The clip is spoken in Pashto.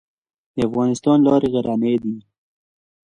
د افغانستان لارې غرنۍ دي